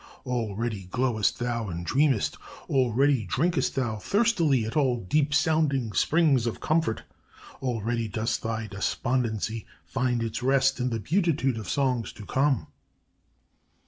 Already glowest thou and dreamest, already drinkest thou thirstily at all deep sounding Springs of Comfort, already does thy despondency find its rest in the beatitude of songs to come!'